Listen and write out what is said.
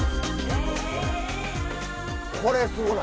これすごない？